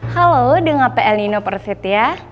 halo dengar pl nino perfit ya